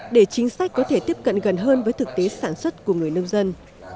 để chính sách có thể tiếp cận gần hơn với thực tế sản xuất của người nông dân